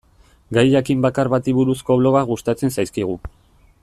Gai jakin bakar bati buruzko blogak gustatzen zaizkigu.